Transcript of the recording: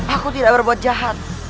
aku tidak berbuat jahat